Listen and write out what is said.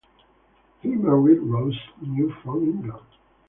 He married Rose New from England.